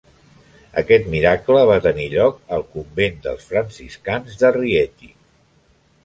Aquest miracle va tenir lloc al convent dels franciscans de Rieti.